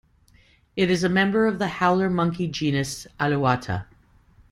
It is a member of the howler monkey genus "Alouatta".